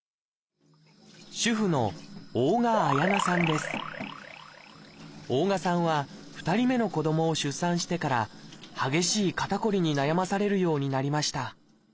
主婦の大我さんは２人目の子どもを出産してから激しい肩こりに悩まされるようになりました